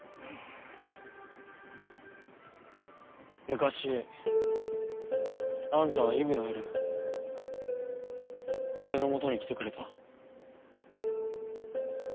昔あんたはイブの夜俺の元に来てくれた。